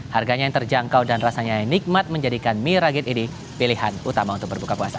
harganya yang terjangkau dan rasanya yang nikmat menjadikan mie ragen ini pilihan utama untuk berbuka puasa